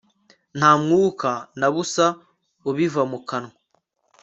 nta mwuka na busa ubiva mu kanwa